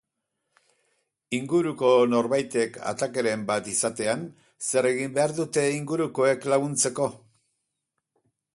Inguruko norbaitek atakeren bat izatean, zer egin behar dute ingurukoek laguntzeko?